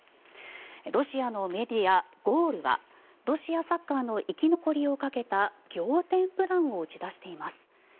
ロシアのメディア、ゴールはロシアサッカーの生き残りをかけた仰天プランを打ち出しています。